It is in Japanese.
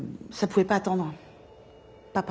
パパ。